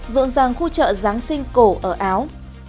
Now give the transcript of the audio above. rộn ràng khu chợ giáng sinh cổ ở áo